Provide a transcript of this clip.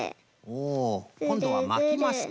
おこんどはまきますか。